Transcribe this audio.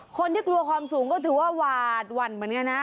กลัวความสูงก็ถือว่าหวาดหวั่นเหมือนกันนะ